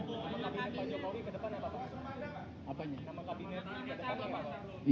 kita tunggu besok ya